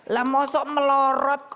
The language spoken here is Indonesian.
lah masuk melorot